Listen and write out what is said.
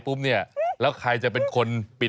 ไซส์ลำไย